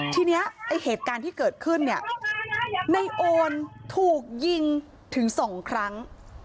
ทีนี้ไอ้เหตุการณ์ที่เกิดขึ้นเนี่ยในโอนถูกยิงถึงสองครั้ง